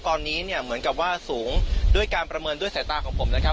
ตอนนี้เนี่ยเหมือนกับว่าสูงด้วยการประเมินด้วยสายตาของผมนะครับ